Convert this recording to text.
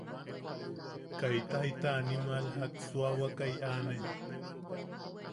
Kaita jita animal jak suawakai aane.